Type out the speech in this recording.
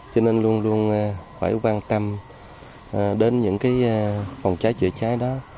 cho nên luôn luôn phải quan tâm đến những phòng cháy chữa cháy đó